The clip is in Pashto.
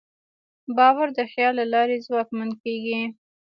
باور د خیال له لارې ځواکمن کېږي.